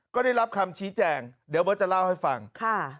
ก็ได้รับคำชี้แจงเดี๋ยวเบิร์ตจะเล่าให้ฟังค่ะ